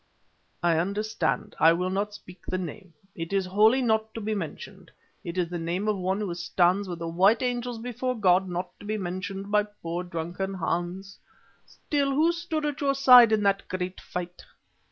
"I understand. I will not speak the name. It is holy, not to be mentioned. It is the name of one who stands with the white angels before God; not to be mentioned by poor drunken Hans. Still, who stood at your side in that great fight?